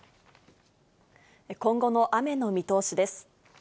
今後の雨の見通しです。